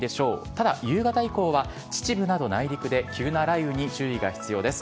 ただ、夕方以降は秩父など内陸で急な雷雨に注意が必要です。